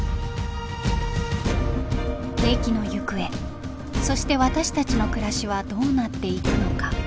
景気の行方そして私たちの暮らしはどうなっていくのか。